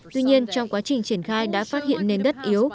tuy nhiên trong quá trình triển khai đã phát hiện nền đất yếu